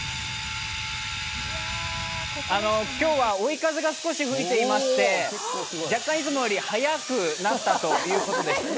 今日は追い風が少し吹いていまして、若干いつもより速くなったということです。